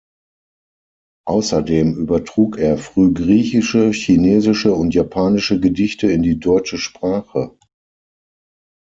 Außerdem übertrug er frühgriechische, chinesische und japanische Gedichte in die deutsche Sprache.